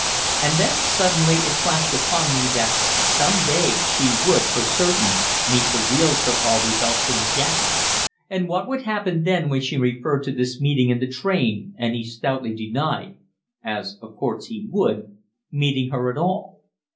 And then suddenly it flashed upon me that some day she would for certain meet the real Sir Aubrey Belston again, and what would happen then when she referred to this meeting in the train and he stoutly denied as of course he would meeting her at all?